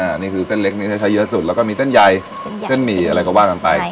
อันนี้คือเส้นเล็กนี้ถ้าใช้เยอะสุดแล้วก็มีเส้นใยเส้นหมี่อะไรก็ว่ากันไป